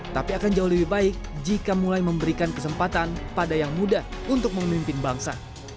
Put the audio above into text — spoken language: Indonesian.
tapi akan jauh lebih baik jika mulai memberikan kesempatan pada yang muda untuk memimpin bangsa